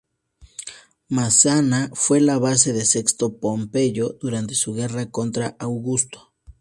Mesana fue la base de Sexto Pompeyo durante su guerra contra Augusto.